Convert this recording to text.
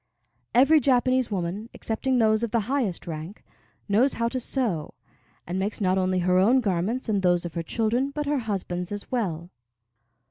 Every Japanese woman (excepting those of the highest rank) knows how to sew, and makes not only her own garments and those of her children, but her husband's as well.